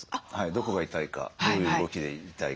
どこが痛いかどういう動きで痛いか。